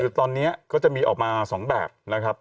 คือตอนนี้ก็จะมีออกมา๒แบบนะครับ